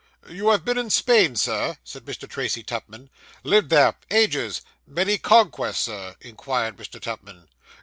'You have been in Spain, sir?' said Mr. Tracy Tupman. 'Lived there ages.' 'Many conquests, sir?' inquired Mr. Tupman.